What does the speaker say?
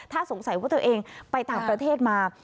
ถ้าสงสัยว่าตัวเองไปต่างประเทศมา